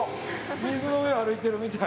水の上歩いてるみたい。